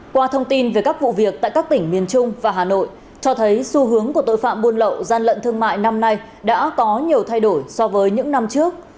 qua thông tin về các vụ việc tại các tỉnh miền trung và hà nội cho thấy xu hướng của tội phạm buôn lậu gian lận thương mại năm nay đã có nhiều thay đổi so với những năm trước